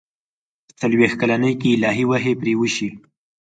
په څلوېښت کلنۍ کې الهي وحي پرې وشي.